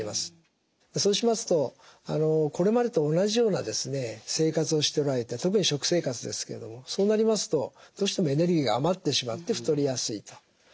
そうしますとこれまでと同じような生活をしておられて特に食生活ですけれどもそうなりますとどうしてもエネルギーが余ってしまって太りやすいということになりますね。